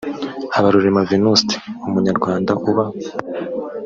habarurema v nuste umunyarwanda uba